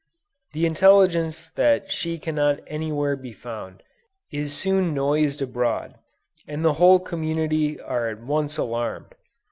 The intelligence that she cannot anywhere be found, is soon noised abroad, and the whole community are at once alarmed.